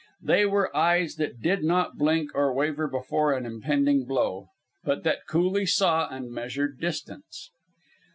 They were eyes that did not blink or waver before an impending blow, but that coolly saw and measured distance.